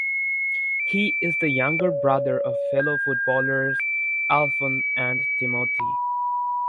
He is the younger brother of fellow footballers Alfons and Timothy.